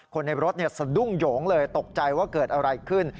คนในรถสะดุ้งโยงเลยตกใจว่าเกิดอะไรขึ้น